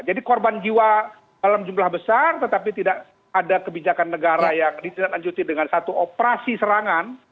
jadi korban jiwa dalam jumlah besar tetapi tidak ada kebijakan negara yang ditelanjuti dengan satu operasi serangan